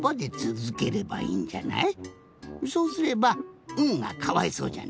そうすれば「ん」がかわいそうじゃないよなあ。